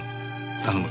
頼む。